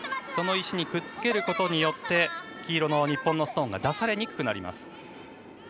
その石にくっつけることによって黄色の日本のストーンが出されにくくなります。